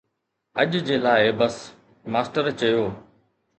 ”اڄ جي لاءِ بس،“ ماسٽر چيو.